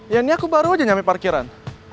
ya ini aku baru aja nyami parkiran